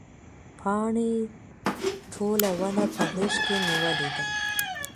پاڼې ټوله ونه په غېږ کې نیولې ده.